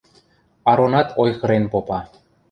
– Аронат ойхырен попа.